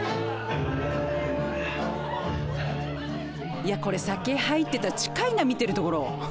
いやこれ酒入ってた近いな見てる所。